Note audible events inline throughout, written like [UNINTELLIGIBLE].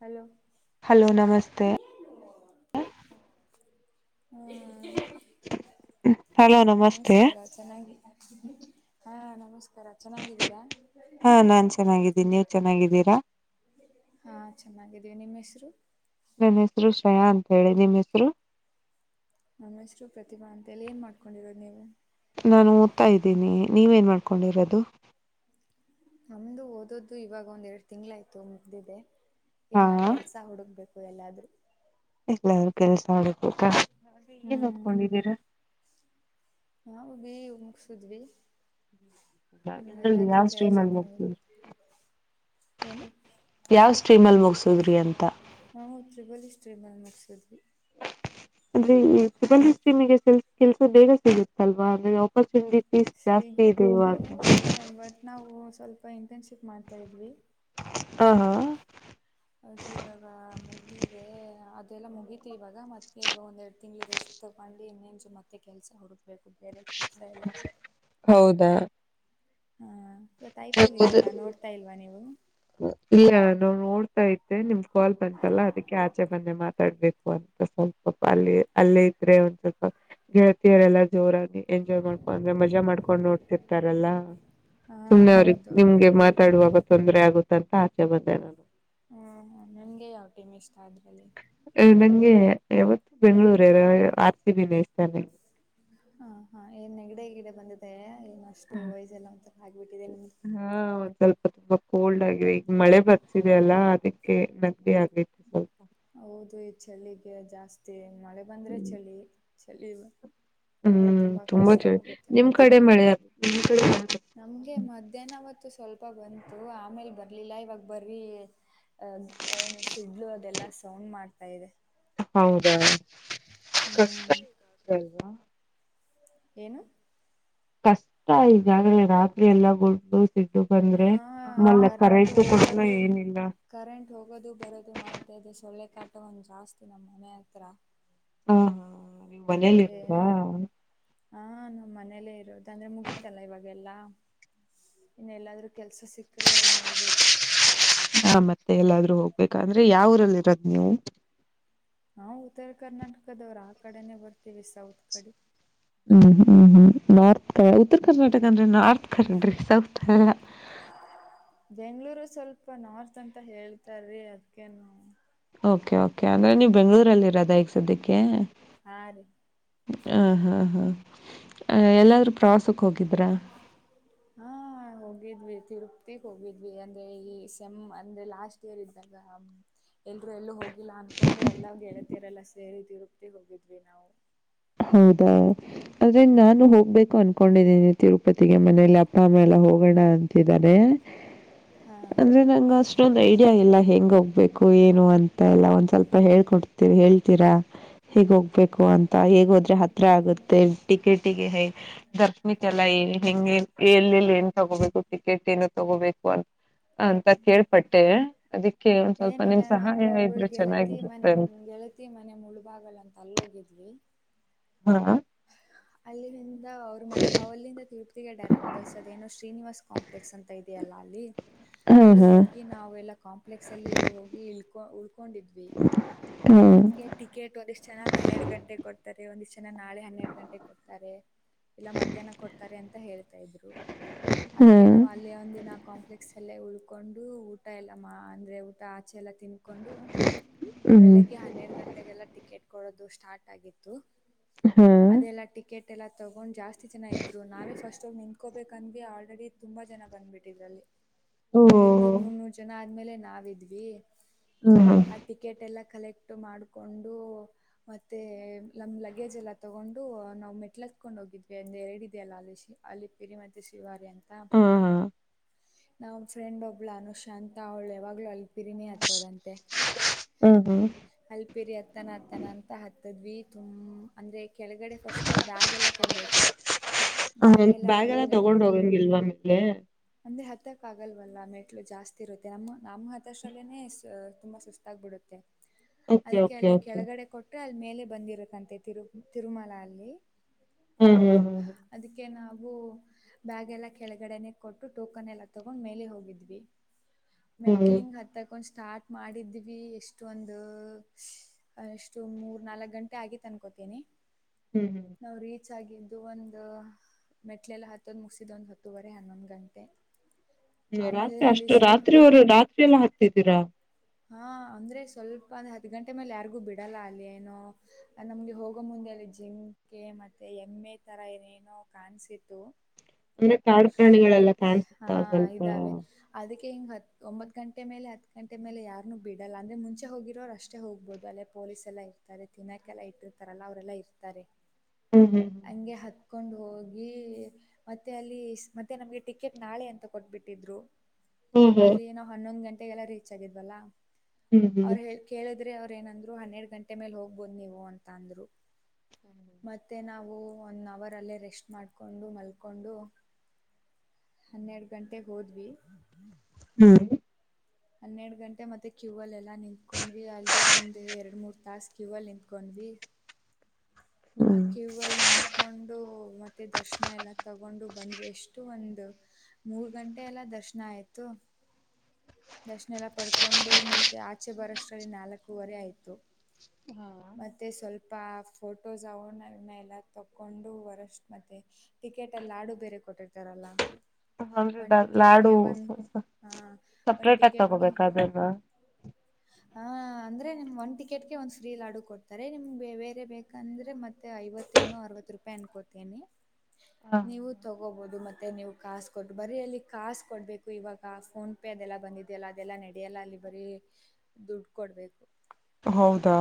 Hello hello ನಮಸ್ತೆ. ಹು hello ನಮಸ್ತೆ ನಮಸ್ಕಾರ. ಚೆನ್ನಾಗಿ ಹಾಂ ನಮಸ್ಕಾರ ಚೆನ್ನಾಗಿದ್ದೀರಾ. ಹಾ ನಾನ್ ಚೆನ್ನಾಗಿದ್ದೀನಿ ನೀವು ಚೆನ್ನಾಗಿದ್ದೀರಾ. ಹಾ ಚೆನ್ನಾಗಿದ್ದೀವಿ ನಿಮ್ಮ್ ಹೆಸರು. ನನ್ನ ಹೆಸರು ಶ್ರಯಾ ಅಂತ ಹೇಳಿ ನಿಮ್ಮ್ ಹೆಸರು. ನಮ್ಮ ಹೆಸರು ಪ್ರತಿಭಾ ಅಂತ ಏನ್ ಮಾಡ್ಕೊಂಡಿರೋದು ನೀವು. ನಾನು ಓದ್ತಾ ಇದ್ದೀನಿ ನೀವೇನು ಮಾಡ್ಕೊಂಡಿರೋದು. ನಮ್ದು ಓದೋದು ಇವಾಗ ಒಂದ್ ಎರಡು ತಿಂಗ್ಳಾಯ್ತು ಮುಗ್ದಿದೆ ಹಾ ಇನ್ ಅ ಕೆಲ್ಸ. ಸ್ಸಾ ಹುಡುಕ್ಬೇಕು ಎಲ್ಲಾದ್ರು. ಎಲ್ಲಾರೂ ಕೆಲ್ಸ ಹುಡಬೇಕಾ ಏನ್ ಹ್ಮ್ ಓದನ್ಕೊಂಡಿದ್ದೀರಾ. ನಾವು ಬಿ ಎ ಮುಗ್ಸುದ್ವಿ. ಯಾವ ಕೆಲಸ ಸ್ಟ್ರೀಮಲ್ಲಿ ಮಾಡ ಮುಗ್ಸಿದ್ರಿ ಏನು ಯಾವ್ ಸ್ಟ್ರೀಮ್ ಅಲ್ಲಿ ಮುಗಸುದ್ರಿ ಅಂತ. ನಾವು ತ್ರಿಬಲಿ ಸ್ಟ್ರೀಮಲ್ಲಿ ಮುಗಿಸಿದ್ವಿ. ಅಂದ್ರೆ ಈ ತ್ರಿಬಲೀಸ್ಟ್ರೀಮಿಗೆ ಕೆಲ್ಸ ಬೇಗ ಸಿಗುತ್ತಲ್ವಾ ಅಂದ್ರೆ ಆಪರ್ಚುನಿಟಿ ಸಿಗುತ್ತೆ ಬಟ್ ನಾವು ಸ್ವಲ್ಪ ಇಂಟರ್ನ್ಶಿಪ್ ಮಾಡ್ತಾದ್ವಿ. ಹಾ ಹಾ ಅದು ಇವಾಗ ಮುಗಿದಿದ್ದೆ ಅದೆಲ್ಲ ಮುಗೀತು ಇವಾಗ ಮತ್ತ ಇವಾಗ ಒಂದೆರಡು ತಿಂಗಳ್ ರೆಸ್ಟ್. ತಗೊಂಡಿ ಇನ್ನೇನ್ಸು ಮತ್ತೆ ಕೆಲ್ಸ ಹುಡುಕ್ಬೇಕು ಬೇರೆ ಕೆಲ್ಸ ಎಲ್ಲ. ಹೌದಾ. ಹಾ ಇವತ್ ಐ ಪಿ ಎಲ್ ಇದಿಯಲ್ಲ ನೋಡ್ತಾ ಇಲ್ವಾ ನೀವು. ಇಲ್ಲಾ ನಾ ನೋಡ್ತಾ ಇದ್ದೆ ನಿಮ್ ಕಾಲ್ ಬಂತಲ್ಲ ಅದಕ್ಕೆ ಆಚೆ ಬಂದೆ ಮಾತಾಡ್ಬೇಕು. ಒ ಸ್ವಲ್ಪ ಪಾಪ ಅಲ್ಲಿ ಅಲ್ಲೇ ಇದ್ರೆ ಒಂದ್ ಸ್ವಲ್ಪ. ಗೆಳತಿಯರೆಲ್ಲಾ ಜೋರಾಗಿ ಎಂಜಾಯ್ ಮಾಡ್ಕೊಂಡ ಅಂದ್ರೆ ಮಜಾ ಮಾಡ್ಕೊಂಡು ನೋಡ್ತಿರ್ತಾರಲ್ಲಾ. ಹಾಂ ಸುಮ್ನೆ ಅವ್ರಿಗ್ ಹೌದೌದು ನಿಮ್ಗೆ ಮಾತಾಡುವಾಗ ತೊಂದರೆ ಆಗುತ್ತ ಅಂತ ಆಚೆ ಬಂದೆ ನಾನು. ಹು ಹು ನಿಮ್ಮಗೆ ಯಾವ್ ಟೈಮ್ ಇಷ್ಟ ಅದ್ರಲ್ಲಿ. ನಂಗೆ ಯಾವತ್ತು ಬೆಂಗಳೂರ್ ಆರ್ ಸಿ ಬಿ ನೇ ಇಷ್ಟನೆ ನಂಗೆ. ಹಾ ಹಾ ಏನ್ ನೆಗಡಿ ಗಿಡೆ ಬಂದಿದೆ ಏನ್ ಅಷ್ಟು ವಯಸ್ಸೆಲ್ಲ ಒಂಥರ ಆಗ್ಬಿಟ್ಟಿದೆ ನಿಮ್ದು. ಹಾ ಒಂದ್ ಸ್ವಲ್ಪ ತುಂಬಾ ಕೋಲ್ಡ್ ಆಗಿದೆ ಈಗ ಮಳೆ ಬರ್ತಿದೆ ಅಲ್ಲಾ ಅದಕ್ಕೆ. ನೆಗಡಿ ಆಗೆತ. ಹೌದು ಈ ಚಳಿಗೆ ಜಾಸ್ತಿ ಮಳೆ ಬಂದ್ರೆ ಚಳಿ ಚಳಿ ಹು ಅದೇ ತುಂಬ ತುಂಬಾ ಕಷ್ಟ ಕೇಳಿ ಆಗುತ್ತೆ ನಿಮ್ಮ ಮತ್ತೆ ಕಡೆ ಮಳೆ ನಿಮ್ಮ ಕಡೆ ನಮ್ಗೆ ಮಧ್ಯಾಹ್ನವತ್ತು ಸ್ವಲ್ಪ ಬಂತು ಆಮೇಲ್ ಬರ್ಲಿಲ್ಲ ಇವಾಗ ಬರಿ ಅಹಆ ಏ ಸಿಡ್ಲು ಅದೆಲ್ಲ ಸೌಂಡ್ ಮಾಡ್ತಾ ಇದೆ. ಹೌದಾ ಹ್ಮ್ ಸುಸೈಡ್ ಅವ್ವ. ಏನು ಕಷ್ಟ ಈಗಾಗಲೇ ರಾತ್ರಿ ಎಲ್ಲ ಗುಂಡು ಸಿಡ್ಲು. ಆ ಬಂದ್ರೆ ನಲ್ಲ ಕರೆಂಟ್ ಕರೈಟು ಕೊಟ್ಲ ಹೋಗೋದು ಏನಿಲ್ಲ. ಕರೆಂಟ್ ಹೋಗೋದು ಬರೋದು ಮಾಡ್ತಾಯ ಇದೆ ಸೊಳ್ಳೆ ಕಾಟ ಒಂದು ಜಾಸ್ತಿ ನಮ್ಮ ಮನೆ ಹತ್ರ. ಆ ಮುಂದೆ. ಹಾ ನಮ್ಮ ಮನೇಲ್ಲೇ ಇರೋದ ಅಂದ್ರೆ ಮುಗೀತೆಲ್ಲ ಇವಾಗೆಲ್ಲಾ ಇನ್ನ ಎಲ್ಲಾದ್ರೂ ಕೆಲಸ ಸಿಕ್ಕ್ರೆ ನೋಡ್ಬೇಕು ಹಾ ಮತ್ತೆ ಎಲ್ಲಾದ್ರೂ ಹೋಗ್ಬೇಕ ಅಂದ್ರೆ ಯಾವ್ ಊರಲ್ಲಿ ಇರೋದ್ ನೀವು ನಾವು ಉತ್ತರ ಕರ್ನಾಟಕದವ್ರ ಆ ಕಡೆನೇ ಬರ್ತೀವಿ ಸೌತ್ ಕಡಿ ಹ್ಮ್ ಹ್ಮ್ ಹ್ಮ್ ನಾರ್ತ್ ಕ ಉತ್ತರ ಕರ್ನಾಟಕ ಅಂದ್ರೆ ನಾರ್ತ್ ಕರಡ್ರಿ ಸೌತ್ ಅಲ್ಲ ಬೆಂಗಳೂರು ಸ್ವಲ್ಪ ನಾರ್ತ್ ಅಂತ ಹೇಳ್ತಾರಿ ಅದ್ಕೇನು ಓಕೆ ಓಕೆ ಅಂದ್ರೆ ನೀವು ಬೆಂಗಳೂರಲ್ಲಿ ಇರದ ಈಗ್ ಸದ್ಯಕ್ಕೆ ಆ ರೀ ಹ ಹಾ ಹಾ ಎಲ್ಲಾದ್ರೂ ಪ್ರವಾಸಕ್ ಹೋಗಿದ್ರಾ ಹ ಹಾ ಹೋಗಿದ್ವಿ ತಿರುಪತಿಗೆ ಹೋಗಿದ್ವಿ ಅಂದ್ರೆ ಈ ಸೆಮ್ ಅಂದ್ರೆ ಲಾಸ್ಟ್ ಇದ್ದಾಗ ಎಲ್ರೂ ಎಲ್ಲೂ ಹೋಗ ಇಲ್ಲ ಅಂದನ್ಕೊಂಡು ಎಲ್ಲಗೆಳ್ತಿರಲ್ಲ ಸೇರಿ ತಿರುಪ್ತಿ ಹೋಗಿದ್ವಿ ನಾವು ಹೌದಾ ಆದ್ರೆ ನಾನು ಹೋಗ್ಬೇಕು ಅನ್ಕೊಂಡಿದ್ದೀನಿ ತಿರುಪತಿಗೆ ಮನೇೆಯಲ್ಲಿ ಅಪ್ಪ ಅಮ್ಮ ಎಲ್ಲ ಹೋಗೋಣ ಅಂತಿದ್ದಾರೆ ಹಾ ಅಂದರೆ ನಂಗೆ ಅಷ್ಟೊಂದು ಐಡಿಯಾ ಇಲ್ಲ ಹೆಂಗ ಹೋಗ್ಬೇಕು ಏನು ಅಂತ ಎಲ್ಲ ಒಂದ್ ಸ್ವಲ್ಪ ಹೇಳ್ಕೊ ಹೇಳ್ತೀರಾ ಹೇಗ್ ಹೋಗ್ಬೇಕು ಅಂತ ಹೇಗ್ ಹೋದ್ರೆ ಹತ್ರ ಆಗುತ್ತೆ ಟಿಕೆಟಿಗೆ ಹೈ ದರ್ಶನಿಕಲ್ಲ ಹೆಂಗೆ ಎಲ್ಲೆಲ್ಲಿ ಏನ್ ತಗೋಬೇಕು ಟಿಕೆಟ್ ಏನ ತಗೋಬೇಕು ಅಂತ ಅಂತ ಕೇಳ್ಪಟ್ಟೆ ಅದಿಕ್ಕೆ ಒಂದ್ ಸ್ವಲ್ಪ ಏನಿಲ್ಲ ನಿಮ್ ನಾವು ಸಹಾಯ ಇದ್ರೆ ಚೆನ್ನಾಗಿರುತ್ತೆ ಅಂತ ಪ್ರತ್ತ ಮನೆ ಮುಳುಬಾಗಲ ಅಂತ ಅಲ್ಲೋಗಿದ್ವಿ ಹಾ ಅಲ್ಲಿನಂದ ಅವ್ರ ಮ ಅವಲ್ಲಿಂದ ತಿರುಪತಿಗೆ ಡೈರೆಕ್ಟ್ ಬಸ್ ಅದ ಏನೋ ಶ್ರೀನಿವಾಸ್ ಕಾಂಪ್ಲೆಕ್ಸ್ ಅಂತ ಇದೆಯ ಅಲ್ಲ ಅಲ್ಲಿ ಅಲ್ಲಿ ಹಾ ಹೋಗಿ ನಾವೆಲ್ಲ ಕಾಂಪ್ಲೆಕ್ಸ್ ಅಲ್ಲಿ ಹೋಗಿ ಇ ಉಳ್ಕೊಂಡಿದ್ವಿ ಹಾ ಅದು ನಮಗೆ ಟ ಗೇಟ್ ಒಂದಿಷ್ಟು ಜನ ಹನ್ನೆಡು ಗಂಟೆ ಕೊಡ್ತಾರೆ ಒಂದಿಷ್ಟ ಜನ ನಾಳೆ ಹನ್ನೆರಡು ಗಂಟೆ ಕೊಡ್ತಾರೆ ಇಲ್ಲ ಮಧ್ಯಾಹ್ನ ಕೊಡ್ತಾರೆ ಅಂತ ಹೇಳ್ತಾ ಇದ್ರು ಹಾ ಅದ್ನಾವ್ ಅಲ್ಲಿ ಒಂದ ದಿನ ಕಾಂಪ್ಲೆಕ್ಸ್ ಅಲ್ಲೇ ಉಳ್ಕೊಂಡು ಊಟ ಎಲ್ಲ ಅಂದ್ರೆ ಊಟ ಆಚೆ ಎಲ್ಲ ತಿನ್ ಕೊಂಡು ಹ್ಮ್ ಬೆಳಿಗ್ಗೆ ಹನ್ನೆರಡು ಗಂಟೆಗೆಲ್ಲ ಟಿಕೆಟ್ ಕೊಡೋದು ಸ್ಟಾರ್ಟ್ ಆಗಿತ್ತು ಹ್ಮ್ ಅದೆಲ್ಲಾ ಟಿಕೆಟ್ ಎಲ್ಲ ತಗೊಂಡ್ ಜಾಸ್ತಿ ಜನ ಇದ್ರು ನಾವೇ ಫಸ್ಟು ಮಿಂ ಕೋಬೇಕಂದ ಆಲ್ರೆಡಿ ತುಂಬಾ ಜನ ಬಂದ್ಬಿಟ್ಟಿದ್ರಲ್ಲಿ ಓ ಒಂದ್ ಇನ್ನೂರ್ ಮುನ್ನೂರು ಜನ ಆದ್ಮೇಲೆ ನಾವ ಇದ್ವಿ ಹ್ಮ ಹಾ ಆ ಟಿಕೆಟ್ ಎಲ್ಲ ಕಲೆಕ್ಟ್ ಮಾಡಿಕೊಂಡು ಮತ್ತೆ ನಮ್ಮ ಲಗೇಜ್ ಎಲ್ಲ ತಗೊಂಡು ನಾವು ಮೆಟ್ಲ ಹತ್ಕೊಂಡು ಹೋಗಿದ್ವಿ ಒಂದ ಎರಡು ಇದೆಯ ಅಲ್ಲ ಅಲಿಸಿ ಅಲ್ಲಿ ಪಿರಿ ಮತ್ತೆ ಶಿವಾರಿ ಅಂತ ಹತ್ತ ಹಾ ಹಾ ನಮ್ಮ ಫ್ರೆಂಡ್ ಒಬ್ಳು ಅನುಷ್ ಅಂತ ಅವಳು ಯಾವಾಗ್ಲೂ ಅಲ್ಲಿಪಿರಿನಿ ಹತ್ತೋದಂತೆ ಹ್ಮ್ ಹ್ಮ್ ಅಲ್ಪೇರಿ ಅತ್ತನ ಅತ್ತನ ಅಂತ ಹತ್ತದ್ವಿ ತುಂಬ ಅಂದ್ರೆ ಕೆಳಗಡೆ ಫಸಬ್ಯಾಗ್ ಎಲ್ಲ ಕೊಡ್ಬೇಕು ಹ ಬ್ಯಾಗ ಎಲ್ಲ ತಗೊಂಡ್ ಹೋಗಂಗಿಲ್ವ ಮೇಲೆ ಅಂದ್ರೆ ಹತ್ತಕ್ ಆಗಲ್ವಲ್ಲ ಮೆಟ್ಲು ಜಾಸ್ತಿ ಇರುತ್ತೆ ನಮ್ಮ ನಮ್ಮ ಹತಷ್ಟಲ್ಲೇನೇ ತುಂಬಾ ಸುಸ್ತಾಗಬಿಡುತ್ತೆ ಓಕೆ ಅದಕ್ಕೆ ಓಕೆ ಅಲ್ಲಿ ಓಕೆ ಕೆಳಗಡೆ ಕೊಟ್ಟ ಊಟ ಅಲ್ಲಿ ಮೇಲೆ ಬಂದಿರಕಂತೆ ತಿರು ತಿರುಮಲ ಅಲ್ಲಿ ಹ್ಮ್ ಹ್ಮ್ ಹ್ಮ್ ಅದಕ್ಕೆ ನಾವು ಬ್ಯಾಗ್ ಎಲ್ಲಾ ಕೆಳಗಡೆನೆೇ ಕೊಟ್ಟು ಟೋಕನ್ ಎಲ್ಲ ತಗೊಂಡ್ ಮೇಲೆ ಹೋಗಿದ್ವಿ ಹ್ಮ್ ಮೆಟ್ಲಿಂಗ್ ಹತ್ತಕೊಂಡ್ ಸ್ಟಾರ್ಟ್ ಮಾಡಿದ್ವಿ ಎಷ್ಟೊಂದು ಅಷ್ಟು ಮೂರ್ ನಾಲ್ಕ್ ಗಂಟೆ ಆಗಿತ್ ಅನ್ಕೋತೀನಿ ಹ್ಮ್ ಹ್ಮ್ ನಾವು ರೀಚ್ ಆಗಿದ್ದು ಒಂದು ಮೆಟ್ಲೆಲ್ಲ ಹತ್ತೋದು ಮುಗಿಸಿದೊಂದು ಹತ್ತೂುವರೆ ಹನ್ನೊಂದು ಗಂಟೆ ಆಮೇಲೆ ರಾತ್ರಿ ಅಲ್ಲಿ ಅಷ್ಟು ಸ್ ರಾತ್ರಿವರು ರಾತ್ರಿ ಎಲ್ಲಾ ಹಾತ್ತಿದ್ದೀರಾ ಹಾ ಅಂದ್ರೆ ಸ್ವಲ್ಪ ಒಂದ್ ಹದ ಗಂಟೆ ಮೇಲೆ ಯಾರಿಗೂ ಬಿಡಲ್ಲ ಅಲ್ಲಿ ಏನೋ ನಮ್ಗೆ ಹೋಗೋ ಮುಂದೆಲ್ಲಿ ಜಿಮ್ಗೆ ಮತ್ತೆ ಎಮ್ಮೆ ತರ ಏನೇನೋ ಕಾಣಸತ್ತು ಅಂದ್ರೆ ಕಾಡು ಪ್ರಾಣಿಗಳೆಲ್ಲಾ ಹಾ ಕಾಣಸುತ್ತಾ ಸ್ವಲ್ಪ ಇದ್ದಾವೆ ಅದಕ್ಕೆ ಹಿಂಗೆ ಹತ್ತು ಒಂಬತ್ತು ಗಂಟೆ ಮೇಲೆ ಹತ್ತು ಗಂಟೆ ಮೇಲೆ ಯಾರು ಬಿಡಲ್ಲ ಅಂದರೆ ಮುಂಚೆ ಹೋಗಿರೋರು ಅಷ್ಟೇ ಹೋಗ್ಬೋದು ಅಲ್ಲೇ ಪೊಲೀಸೆಲ್ಲ ಇರ್ತಾರೆ ತಿನ್ನೋಕ್ಕೆೆಲ್ಲ ಇಟ್ಟಿರ್ತಾರಲ್ಲ ಅವರೆಲ್ಲ ಇರ್ತಾರೆ ಹ್ಮ್ ಹ್ಮ್ ಹಂಗೆ ಹತ್ಕೊಂಡ್ ಹೋಗಿ ಮತ್ತೆ ಅಲ್ಲಿ ಮತ್ತೆ ನಮ್ಗೆ ಟಿಕೆಟ್ ನಾಳೆ ಅಂತ ಕೊಟ್ಟಟ್ಬಿಟ್ಟಿದ್ರು ಓಹೋ ಅಲ್ಲಿಏ ನ ಹನ್ನೊಂದು ಗಂಟೆಗೆಲ್ಲೀ ಹೆಚ್ಚಾಗಿದ್ವಲ್ಲ ಹ್ಮ್ ಹ್ಮ್ ಅವ್ರ ಹೇಳ ಕೇಳಿದ್ರೆ ಅವ್ರ ಏನಂದ್ರು ಹನ್ನೆರಡು ಗಂಟೆ ಮೇಲೆ ಹೋಗ್ಬೋದು ನೀವು ಅಂತ ಅಂದ್ರು ಮತ್ತು ನಾವು ಒನ್ ಅವರಲ್ಲೇ ರೆಸ್ಟ್ ಮಾಡಿಕೊಂಡು ಮಲ್ಕೊಂಡು ಹನ್ನೆರಡು ಗಂಟೆೆಗೆ ಹೋದ್ವಿ ಹ್ಮ್ ಹನ್ನೆರಡು ಗಂಟೆ ಮತ್ತೆ ಕ್ಯೂ ಅಲ್ ಎಲ್ಲ ನಿಂತ್ಕೊಂಡ್ವಿ ಅಲ್ದು ಒಂದ್ ಎರಡು ಮೂರ್ ತಾಸ ಕ್ಯೂ ಅಲ್ ನಿಂತ್ಕೊಂಡ್ವಿ ಹ್ಮ್. ಆಕವ ತಗೊಂಡು ಮತ್ತೆ ದರ್ಶನ ಎಲ್ಲ ತಗೊಂಡು ಬಂದ್ವಿ ಎಷ್ಟು ಒಂದು ಮೂರ್ ಗಂಟೆ ಎಲ್ಲ ದರ್ಶನ ಆಯ್ತು ದರ್ಶಣ ಎಲ್ಲ ಪಡ್ಕೊಂಡು ಮತ್ತೆ ಆಚೆ ಬರೋಷ್ಟ್ರಲ್ಲಿ ನಾಲ್ಕುವರೆ ಆಯ್ತು [UNINTELLIGIBLE] ಮತ್ತುತ್ತ ಸ್ವಲ್ಪ ಫೋಟೋಸ್ ಅವನ್ನನ್ನ ಎಲ್ಲ ತೊಗೊಂಡು ವರಷ್ಟು ಮತ್ತು ಟಿಕೆಟ್ ಎಲ್ಲಿ ಆಡು ಬೇರೆ ಕೊಟ್ಟಿರ್ತಾರಲ್ಲಾ ಲಾಡು ಹಾಂ ಒಂದು ಸಪ್ರೇಟ್ ಆಗಿ ತಗೋಬೇಕ ಅದಲ್ಲ ಹ ಅಂದ್ರೆ ನಿಮ್ ಒಂದ ಟಿಕಟ್ಗೆ ಒಂದ್ ಸ್ತ್ರೀಲ್ಡು ಕೊಡ್ತಾರೆ ನಿಮ್ಗೆ ಬ ಬೇರೆ ಬ ಯಾಕಂದ್ರೆ ಮತ್ತೆ ಐವತ್ತ ಏನು ಅರವತ್ ರೂಪಾಯಿ ಅನ್ಕೋತೇನಿ ಹ. ನೀವು ತಗೋಬಹುದು ಮತ್ತೆ ನೀವು ಕಸ್ ಕೊ ಬರೀ ಅಲ್ಲಿ ಕಸ್ ಕೊಡ್ಬೇಕು ಇವಾಗ ಫೋನ್ ಪೇ ಅದೆಲ್ಲ ಬಂದಿದ್ಯಲ್ಲ ಅದೆಲ್ಲ ನಡೆಯಲ್ಲ ಅಲ್ಲಿ ಬರೀ ದುಡ್ಡು ಕೊಡ್ಬೇಕು ಹೌದಾ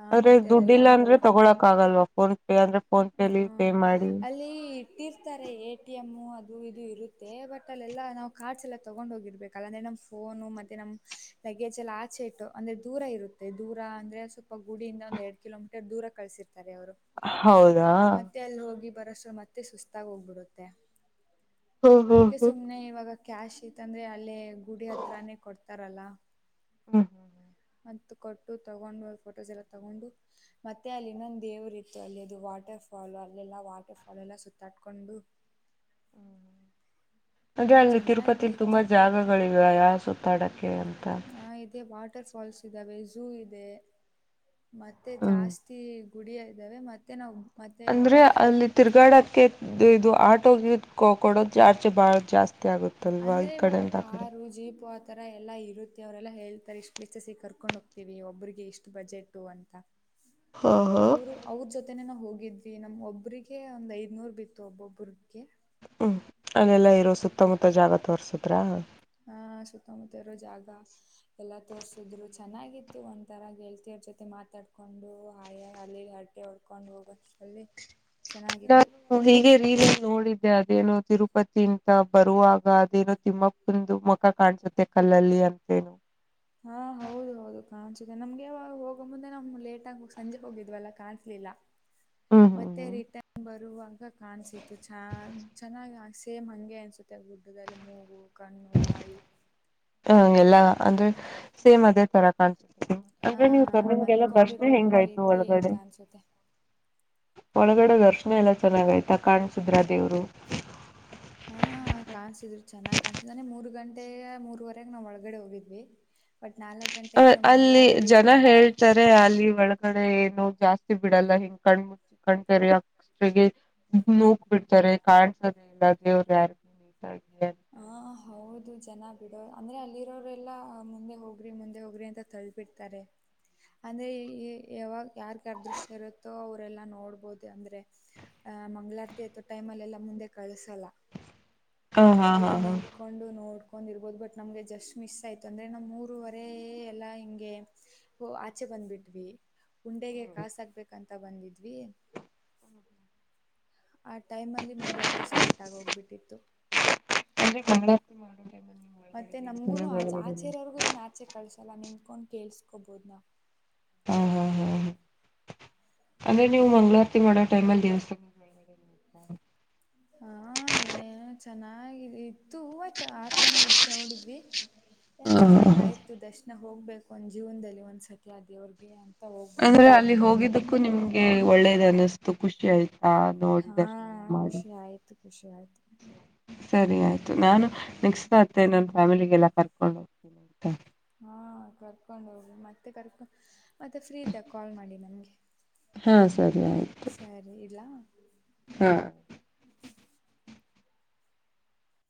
ಹಾಂ ಆದ್ರೆ ಮತ್ತು ದುಡ್ಡಿಲ್ಲ ಅಂದ್ರೆ ಅದೆಲ್ಲ ತಗೊಳಕ್ ಆಗಲ್ವಾ ಫೋನ್ ಪೇ ಅಂದ್ರೆ ಫೋಂಟಲ್ಲಿ ಪೇ ಮಾಡಿ ಪ್ಲೇಟ್ ಇರ್ತಾರೆ ಎ ಟಿ ಎಮ ಅದು ಇದು ಇರುತ್ತೆ ಬಟ್ ಅಲ್ಲೆಲ್ಲಾ ನಾವು ಕಾರ್ಡ್ಸ್ ಎಲ್ಲ ತಗೊಂಡ ಹೋಗಿರ್ಬೇಕು ಲ್ಲ ಅಂದ್ರೆ ನಮ್ ಫೋನು ಮತ್ತೆ ನಮ್ ಲಗೇಜ್ ಎಲ್ಲ ಆಚೆ ಇಟ್ಟು ಅಂದ್ರೆ ದೂರ ಇರುತ್ತೆ ದೂರ ಅಂದ್ರೆ ಸ ಒ ಗುಡಿಂದ ಒಂದ ಎಡ್ ಕಿಲೋಮೀಟರ್ ದೂರ ಕಳಸಿರ್ತಾರೆ ಅವರು ಹೌದಾ ಎಲ್ಲಿ ಹೋಗಿ ಬರಸ ಮತ್ತೆ ಸುಸ್ತಾಗಿ ಹೋಗ್ಬಿಡುತ್ತೆ ಹ್ಮ್ ಹ್ಮ್ ಅದ್ಕ್ಕೆ ಹ್ಮ್ ಸುಮ್ಮ್ ಇವಾಗ ಕ್ಯಾಶ್ ತಂದ್ರೆ ಅಲ್ಲೇ ಗುಡಿ ಹತ್ರಾನೇ ಕೊಡ್ತಾರಲ್ಲ ಹ್ಮ್ ಹ್ಮ ಹ್ಮ ಮ ಕೊಟ್ಟು ತಗೊಂಡು ಫೋಟೋಸ್ ಎಲ್ಲ ತಗೊಂಡು ಮತ್ತೆ ಅಲ್ಲಿ ಇನ್ನೊಂದು ದೇವರು ಇತ್ತು ಅಲ್ಲಿ ಅದು ವಾಟರ್ ಫಾಲ್ ಅಲ್ಲೆಲ್ಲಾ ವಾಟರ್ ಫಾಲ್ ಎಲ್ಲಾ ಸುತ್ತಾಟ್ಕೊಂಡು ಅದೇ ಅಲ್ಲಿ ತಿರುಪತಿಲಿ ತುಂಬಾ ಚೆನ್ನಾಗಿತ್ತು ಜಾಗಗಳಿವ ಯಾವ ಸುತ್ತಾಡಕ್ಕೆ ಅಂತ ಆ ಇೇ ವಾಟರ್ ಫಾಲ್ಸ್ ಇದ್ದಾವೆ ಝೂ ಇದೆ ಮತ್ತೆ ಜಾಸ್ತಿ ಗುಡಿಯ ಇದ್ದಾವೆ ಮತ್ತೆ ನಾವು ಮತ್ತೆ ಅಂದ್ರೆ ಅಲ್ಲಿ ತಿರ್ಗಾಡೋಕ್ಕೆ ಇದು ಆಟೋ ಕೊಡೋ ಚಾರ್ಜ್ ಬಹಳ ಜಾಸ್ತಿ ಆಗುತ್ತಲ್ವಾ ಈ ಅಂದ್ರೆ ಇವಾಗ ಕಡೆಯಿಂದ ಆ ಕಡೆ ಕಾರು ಜೀಪು ಅ ತರ ಎಲ್ಲಾ ಇರುತ್ತೆ ಅವರೆಲ್ಲ ಹೇಳ್ತಾರೆ ಇಷ್ಟ್ ಪ್ಲೇಸಸ್ಿಗೆ ಕರ್ಕೊಂಡ್ ಹೋಗ್ತೀವಿ ಒಬ್ಬ್ರಿಗೆ ಇಷ್ಟು ಬಜೆಟು ಅಂತ ಹಾ ಹಾ ಅವರು ಅವ್ರ ಜೊತೆನೆೇ ನಾ ಹೋಗಿದ್ವಿ ನಮ ಒಬ್ರಿಗೆ ಒಂದ್ ಐದ್ನೂರ್ ಬಿತ್ತು ಒಬ್ಬೊಬ್ರಿಗೆ ಹ್ಞ ಅಲ್ಲೆಲ್ಲ ಇರೋ ಸುತ್ತಮುತ್ತ ಜಾಗ ತೋರ್ಸದ್ರಾ ಹಾ ಸುತ್ತಮುತ್ತರ ಜಾಗಾ ಎಲ್ಲಾ ತೋರ್ಸಿದ್ರು ಚೆನ್ನಾಗಿತ್ತು ಒಂದ ತರ ಗೆಳ್ತಿಯವ ಜೊತೆ ಮಾತಾಡ್ಕೊಂಡು ಆಯ ಅಲ್ಲಿ ಹೊಡ್ಕೊಂಡ್ ಹೋಗಷ್ಟ ಅಲ್ಲಿ ಚೆನ್ನಾಗಿತ್ತು ನಾನು ಹೀಗೆ ರೀ ನೋಡಿದ್ದೆ ಅದೇನೋ ತಿರುಪತಿ ಅಂತ ಬರುವಾಗ ಅದೇನೋ ತಿಮ್ಮಪ್ಪ ಕುಂದು ಮುಖ ಕಾಣಸುತ್ತೆ ಕಲ್ಲಲ್ಲಿ ಅಂತೇನು ಹಾ ಹೌದು ಹೌದು ಕಾಣ್ಿಸಿದೆೆ ನಮಗೆಾಗ ಹೋಗ ಮುಂದೆ ನಮ್ ಲೇಟ್ ಆಗ ಸಂಜೆೆಗೆ ಹೋಗಿದ್ವಲ್ಲಾ ಕಾಣ್ಲಿಲ್ಲ [INAUDIBLE] ಹ ಹ ಮತ್ತೆ ರಿಟರ್ನ್ ಬರುವಾಗ ಕಾಣಸತ್ತು ಚ ಚೆನ್ನಾಗ್ ಆ ಸೇಮ್ ಹಾಗಂಗೆ ಅನಿಸುತ್ತೆ ಗುಡ್ಡದಲ್ಲಿ ಮೂಗ ಕಣ್ಣು ಬಾಯಿ ಹ್ಮ ಎಲ್ಲಾ ಅಂದ್ರೆ ಸೇಮ್ ಅದೇ ತರ ಕಾಣ್ಸ ಹಾ ಅಂದ್ರೆ ನೀವು ನಿಮ್ಗೆಲ್ಲ ದರ್ಶನೆ ಮಲ್ಕೊಂಡಿರೋ ಹೆಂಗಾಯ್ತು ರೀತಿ ಒಳಗಡೆ ಕಾಣಿಸುತ್ತೆ [INAUDIBLE] ಒಳಗಡೆ ದರ್ಶನ ಎಲ್ಲ ಚೆನ್ನಾಗೈ್ತಾ ಕಾಣ್ಸುದ್ರ ದೇವರು ಹಾ ಕಾಣಸಿದ್ರು ಚೆನ್ನಾಗಿ ಕಾಣಸಿದ್ ಅ್ರೆ ಮೂರು ಗಂಟೆಯ ಮೂರವರೆಗೆ ನಾವ್ ಒಳಗಡೆ ಹೋಗಿದ್ವಿ ಬಟ್ ನಾಲ್ಕ್ ಗಂಟೆಗ ಏನೋ ಮಂ್ಗಳಾರತಿ ಇತ್ತಂತೆ ಅಂದ್ರೆ ಅಲ್ಲಿ ಒಳಗಡೆ ಏನು ಜಾಸ್ತಿ ಬಿಡಲ್ಲ ಹಿಂಗ್ ಕಣ ಚಿಕ್ಕಣ್ ಕೆರೆ ಅಕ್ಷರಿಗೆ ನೂಕ್ ಬಿಡ್ತಾರೆ ಕಡ್ಸದೆೇ ಇಲ್ಲ ದೇವರು ಯಾರ ನೀ ಹ ಹೌದು ಜನ ಬಿಡೋ ಅಂದ್ರೆ ಅಲ್ಲಿರೋರೆ ಎಲ್ಲಾ ಮುಂದೆ ಹೋಗ್ರಿ ಮುಂದೆ ಹೋಗ್ರಿ ಅಂತ ತಳ್ ಬಿಡ್ತಾರೆ ಅಂದ್ರೆ ಈ ಯಾವಾಗ ಯಾರ್ ಯಾರ್ ದೃಷ್ಟ ಇರುತ್ತೋ ಅವ್ರಲ್ಲಾ ನೋಡ್ಬೋದು ಅಂದ್ರೆ ಆ ಮಂಗ್ಗಳಾರ್ತಿ ಆತ ಟೈಮ ಅಲ್ಲ ಎಲ್ಲಾ ಮುಂದೆ ಕಳ್ಸಲ್ಲ ಹಾ ಹಾ ಹಾ ಅಲ್ಲೇ ನೇಮಕು ಕಕೊಂಡು ನೋಡ್ಕೊಂಡಿರ್ಬೋದು ಬಟ್ ನಮಗೆ ಜಸ್ಟ್ ಮಿಸ್ ಆಯಿತು ಅಂದರೆ ನಮ್ಮ ಮೂರರುವರೆ ಎಲ್ಲ ಹಿಂಗೆ ಹೋ ಆಚೆ ಬಂದ್ಬಿಟ್ವಿ ಹುಂಡೆಗೆ ಕಾಸಕ್ಬೇಕಂತ ಬಂದಿದ್ವಿ ಆ ಟೈಮ್ ಅಲ್ಲಿ ಮಂಗ್ಗಳಾರತಿ ಸ್ಟಾರ್ಟ್ ಆಗ ಹೋಗ್ಬಿಟ್ಟಿತ್ತು ಹಾ ಅಂದ್ರೆ ಮಂಗಳಾರತಿ ಮತ್ತೆ ಮಾಡೋ ಟೈಮಲ್ಲಿ ನೀವು ನಮ್ಗುನು ಒಳಗಡೆ ದೇವಸ್ಥಾನದ ಆಚೆ ಒಳಗಡೆ ಆಚೆರೋರ್ಗು ಏನ್ ಆಚೆ ಕಳ್ಸಲ್ಲ ನಿಂತ್ಕೊಂಡ್ ಕೇಸ್ಕೊಬೋದ ನ ಹಾ ಹಾ ಹಾ ಹ ಅಂದ್ರೆ ನೀವು ಮಂ್ಗಳವಾರತಿ ಮಾಡೋ ಟೈಮ ಅಲ್ಲಿ ದೇವಸ್ಥಾನ ಹಾ ಹಾ ಏ ಚೆನ್ನಾಗ ಇತ್ತುೂ ಆಯ್ತ ಆಚೆನೆ ಇದ್ದ ನೋಡಿದ್ವಿ ಚೆನ್ನಾಗ ಹ ಆಯ್ತು ದರ್ಶನ ಹೋಗ್ಬೇಕು ಒಂದ್ ಜೀವನದಲ್ಲಿ ಒಂದ್ಸತಿ ಅ ದೇವ್ರಗೆ ಅಂತ ಹೋಗಿ ಅಂದ್ರೆ ಬಂದ್ವಿ ಅಲ್ಲಿ ಹೋಗಿದ್ದಕ್ಕೂ ನಿಮ್ಗೆ ಒಳ್ಳೇದ ಅನ್ನಿಸ್ತು ಖುಷಿ ಆಯ್ತು ಹಾ ಖುಷಿ ಆಯ್ತು ಖುಷಿ ಆಯ್ತು ಸರಿ ಆಯ್ತು ನಾನು ನೆಕ್ಸ್ಟ್ ಮತ್ತೆ ನನ್ನ ಫ್ಯಾಮಿಲಿಗೆಲ್ಲ ಕರ್ಕೊಂಡು ಹೋಗ್ತೇನೆ ಅಂತ ಹಾ ಕರ್ಕೊಂಡ್ ಹೋಗ್ ಮತ್ತೆ ಕರ್ಕ ಮತ್ತೆ ಫ್ರೀ ಇದ್ದ ಕಾಲ್ ಮಾಡಿ ನಮ್ಗೆ ಹಾ ಸರಿ ಆಯ್ತು ಸರಿ ಇಡ್ಲಾ ಹಾ.